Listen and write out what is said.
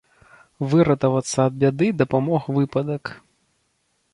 Выратавацца ад бяды дапамог выпадак.